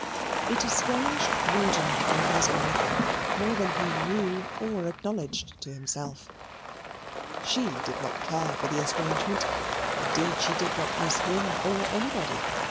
It estranged Rawdon from his wife more than he knew or acknowledged to himself. She did not care for the estrangement. Indeed, she did not miss him or anybody.